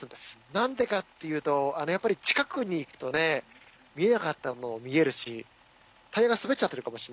何でかっていうとやっぱり近くに行くとね見えなかったものも見えるしタイヤが滑っちゃってるかもしんないし。